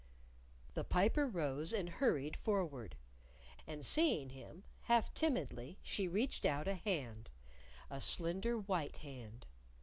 The Piper rose and hurried forward. And seeing him, half timidly she reached out a hand a slender, white hand.